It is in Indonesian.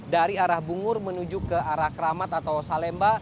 dari arah bungur menuju ke arah kramat atau salemba